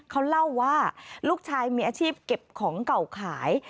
เขาเล่าว่าลูกชายมีอาชีพเก็บของเก่าขาย